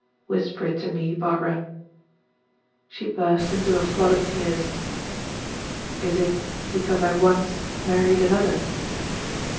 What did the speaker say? "Whisper it to me, Barbara." She burst into a flood of tears. "Is it because I once married another?"